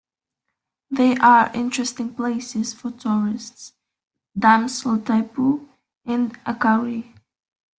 They are interesting places for tourists, dams Itaipu and Acaray.